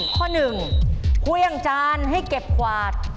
ข้อหนึ่งเครื่องจานให้เก็บกวาด